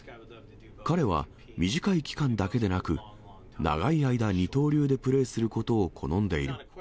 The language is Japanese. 彼は、短い期間だけでなく、長い間、二刀流でプレーすることを好んでいる。